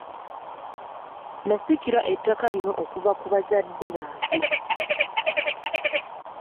Nasikira ettaka lino okuva ku bazadde bange.